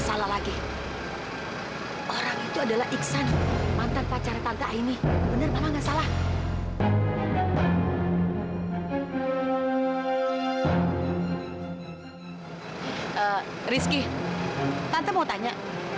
sampai jumpa di video selanjutnya